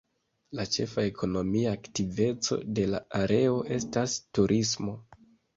La ĉefa ekonomia aktiveco de la areo estas turismo.